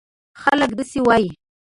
خلک داسې وایي: